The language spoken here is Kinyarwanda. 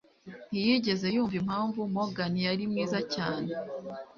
Ntiyigeze yumva impamvu Morgan yari mwiza cyane,